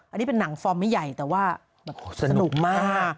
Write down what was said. อันนี้เป็นหนังฟอร์มไม่ใหญ่แต่ว่าแบบสนุกมาก